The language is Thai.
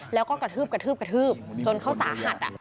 แล้วก็กระทืบจนเขาสาหัด